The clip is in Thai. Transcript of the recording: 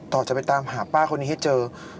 ต่อไปตามหาป้าคนนี้ให้เจอ